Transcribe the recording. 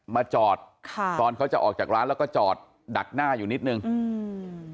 มาจอดค่ะตอนเขาจะออกจากร้านแล้วก็จอดดักหน้าอยู่นิดนึงอืม